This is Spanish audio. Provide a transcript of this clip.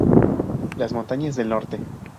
Las montañas del norte.